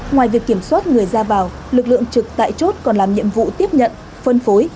ngoài việc kiểm soát người ra vào lực lượng trực tại chốt còn làm nhiệm vụ tiếp nhận phân phối